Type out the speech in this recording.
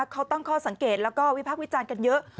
เขาต้องเข้าสังเกตและวิพักวิจารณ์กันเยอะ